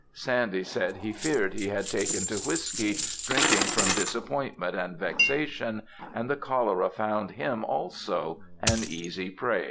Sandy said he feared he had taken to whiskey drinking from disappointment and vexation, and the cholera found him also an easy prey.